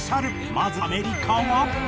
まずアメリカは。